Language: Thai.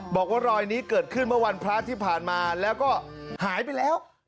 บอกว่ารอยนี้เกิดขึ้นเมื่อวันพระที่ผ่านมาแล้วก็หายไปแล้ว